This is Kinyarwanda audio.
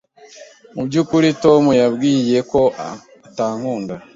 Mubyukuri, Tom yambwiye ko utankunda.